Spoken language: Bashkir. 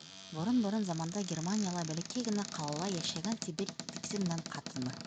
Борон-борон заманда Германияла, бәләкәй генә ҡалала, йәшәгән, ти, бер итексе менән ҡатыны.